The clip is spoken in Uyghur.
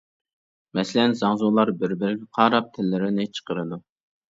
مەسىلەن: زاڭزۇلار بىر-بىرىگە قاراپ تىللىرىنى چىقىرىدۇ.